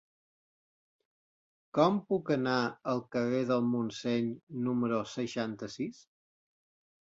Com puc anar al carrer del Montseny número seixanta-sis?